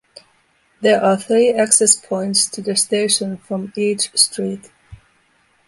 There are three access points to the station from each street.